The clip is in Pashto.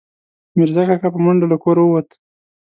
میرزا کاکا، په منډه له کوره ووت